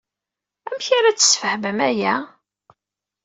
Amek ara d-tesfehmem aya?